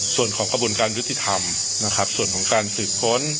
ส่วนของกระบวนการยุติธรรมนะครับส่วนของการสืบค้น